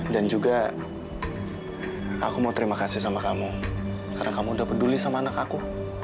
dan juga aku mau terima kasih sama kamu karena kamu udah peduli sama anak aku